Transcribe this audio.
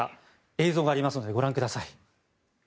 映像がありますのでご覧ください。